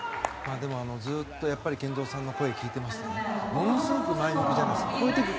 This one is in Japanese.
でも、ずっと健三さんの声を聞いていますとものすごく前向きじゃないですか。